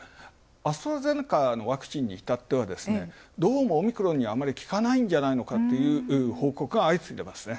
アストラゼネカのワクチンにいたっては、どうもオミクロン株にあまり効かないんじゃないかと報告が相次いでますね。